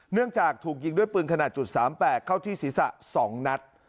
เนื่องจากถูกยิงด้วยปืนขนาด๓๘เข้าที่ศีรษะ๒นัด